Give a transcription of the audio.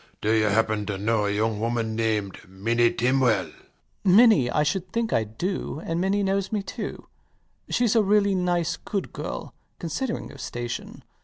Do you happen to know a young woman named Minnie Tinwell? LOUIS. Minnie! I should think I do; and Minnie knows me too. She's a really nice good girl, considering her station.